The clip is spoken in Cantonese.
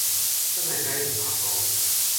真係雞同鴨講